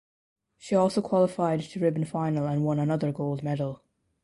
She also qualified to Ribbon final and won another gold medal.